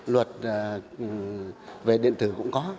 luật về điện tử cũng có